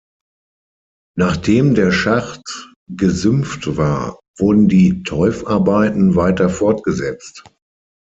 Nachdem der Schacht gesümpft war, wurden die Teufarbeiten weiter fortgesetzt.